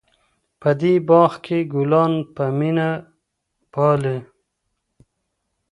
په دې باغ کې ګلان په مینه پالي.